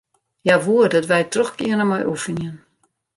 Hja woe dat wy trochgiene mei oefenjen.